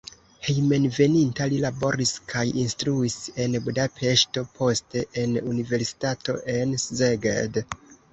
Hejmenveninta li laboris kaj instruis en Budapeŝto, poste en universitato en Szeged.